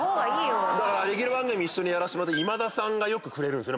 レギュラー番組一緒にやらせてもらってる今田さんがよくくれるんすよね